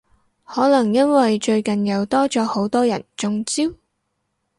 可能因為最近又多咗好多人中招？